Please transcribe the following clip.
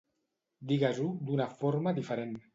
Digues-ho d'una forma diferent.